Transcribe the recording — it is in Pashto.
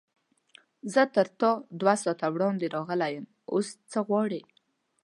زه تر تا دوه ساعته وړاندې راغلی یم، اوس څه غواړې؟